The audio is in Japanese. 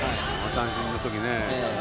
三振のときね。